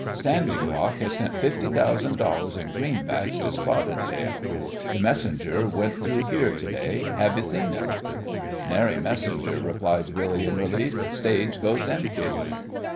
Standing Rock has sent fifty thousand dollars in greenbacks to Spotted Tail. The messenger went through here to day. Have you seen him?" "Nary messenger," replied Billy, in relief. "Stage goes empty."